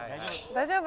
大丈夫。